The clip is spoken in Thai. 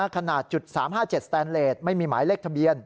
ขนาด๓๕๗สแตนเลสไม่มีหมายเลขทะเบียน